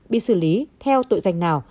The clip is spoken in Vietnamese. bị xử lý theo tội danh nào